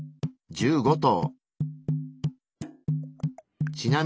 １５頭。